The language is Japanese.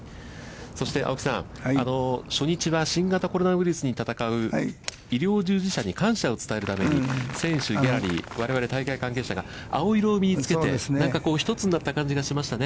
そして青木さん、初日は新型コロナウイルスに戦う医療従事者に感謝を伝えるために、選手、ギャラリー、我々大会関係者が青色を身につけて、なんか一つになった感じがしましたね。